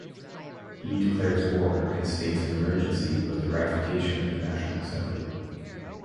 He declares war and states of emergency with the ratification of the National Assembly.